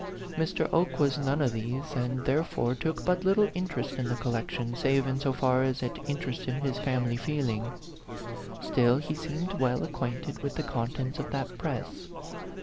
Mr. Oke was none of these, and therefore took but little interest in the col lection, save in so far as it interested his family feeling. Still, he seemed well ac quainted with the contents of that press.